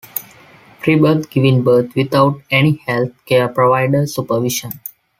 Freebirth: Giving birth without any health care provider supervision.